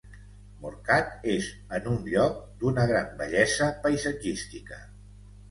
Morcat és en un lloc d'una gran bellesa paisatgística.